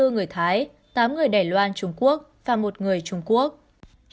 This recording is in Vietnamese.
năm mươi bốn người thái tám người đài loan trung quốc và một người trung quốc